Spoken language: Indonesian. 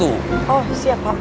oh siap pak